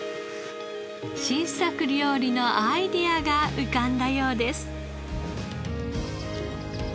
新作料理のアイデアが浮かんだようです。